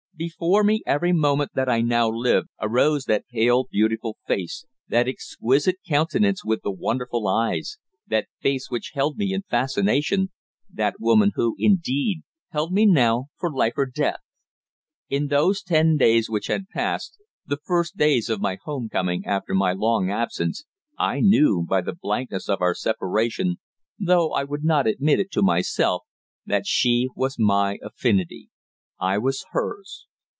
Before me every moment that I now lived arose that pale, beautiful face that exquisite countenance with the wonderful eyes that face which had held me in fascination, that woman who, indeed, held me now for life or death. In those ten days which had passed, the first days of my home coming after my long absence, I knew, by the blankness of our separation though I would not admit it to myself that she was my affinity. I was hers.